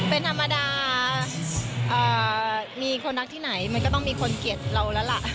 เป็นธรรมดามีคนรักที่ไหนมันก็ต้องมีคนเกลียดเราแล้วล่ะ